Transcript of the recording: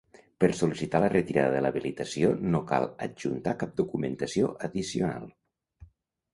Per sol·licitar la retirada de l'habilitació no cal adjuntar cap documentació addicional.